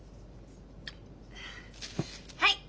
はい！